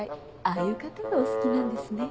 ああいう方がお好きなんですね。